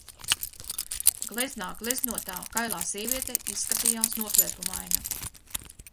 Gleznā gleznotā kailā sieviete izskatījās noslēpumaina